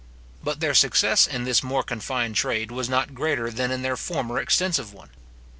But their success in this more confined trade was not greater than in their former extensive one.